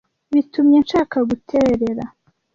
Bitumye nshaka guterera.